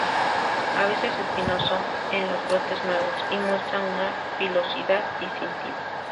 A veces espinoso en los brotes nuevos, y muestra una pilosidad distintiva.